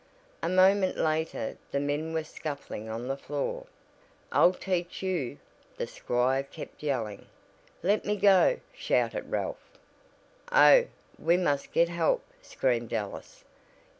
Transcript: A moment later the men were scuffling on the floor. "I'll teach you!" the squire kept yelling. "Let me go!" shouted Ralph. "Oh, we must get help!" screamed Alice.